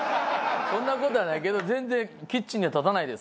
そんな事はないけど全然キッチンには立たないですね。